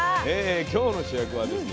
今日の主役はですね